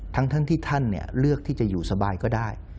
ทั้งที่ท่านเลือกที่จะอยู่สบายก็ได้